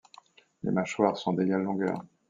Les mâchoires sont d’égale longueur.